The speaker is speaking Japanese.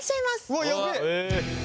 うわやべえ！